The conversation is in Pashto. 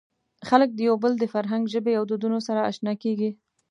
خلک د یو بل د فرهنګ، ژبې او دودونو سره اشنا کېږي.